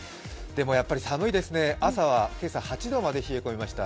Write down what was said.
でもやっぱり寒いですね朝は今朝８度まで冷え込みました。